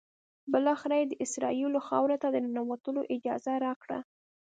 بالآخره یې د اسرائیلو خاورې ته د ننوتلو اجازه راکړه.